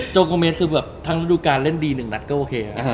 โกเมสคือแบบทั้งฤดูการเล่นดี๑นัดก็โอเค